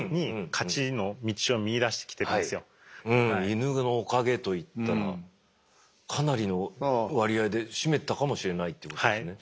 イヌのおかげと言ったらかなりの割合で占めてたかもしれないってことですね。